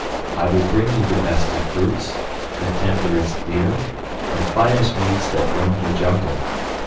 I will bring you the best of fruits, the tenderest deer, the finest meats that roam the jungle.